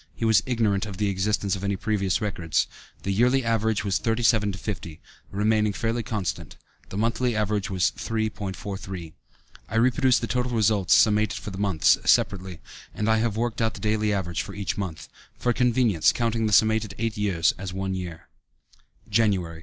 He was ignorant of the existence of any previous records. The yearly average was 37 to 50, remaining fairly constant; the monthly average was 3.43. I reproduce the total results summated for the months, separately, and I have worked out the daily average for each month, for convenience counting the summated eight years as one year: Jan.